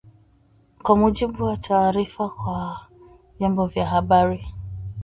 kwa mujibu wa taarifa kwa vyombo vya habari